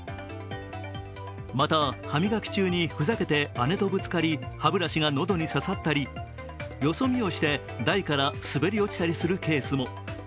また歯磨き中にふざけて姉とぶつかり歯ブラシが喉に刺さったりよそ見をして台から滑り落ちたりするケースも。